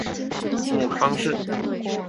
母康氏。